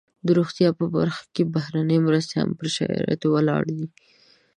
د روغتیا په برخه کې بهرنۍ مرستې هم پر شرایطو ولاړې وي.